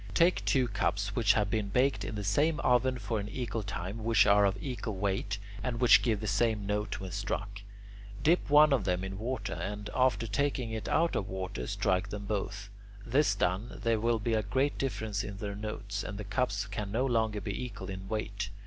Take two cups which have been baked in the same oven for an equal time, which are of equal weight, and which give the same note when struck. Dip one of them into water and, after taking it out of water, strike them both. This done, there will be a great difference in their notes, and the cups can no longer be equal in weight.